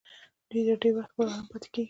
دوی تر ډېر وخت پورې آرام پاتېږي.